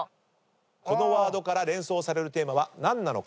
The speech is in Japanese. このワードから連想されるテーマは何なのか。